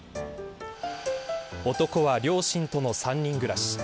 男は両親との３人暮らし。